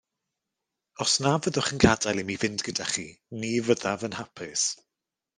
Os na fyddwch yn gadael i mi fynd gyda chi, ni fyddaf yn hapus.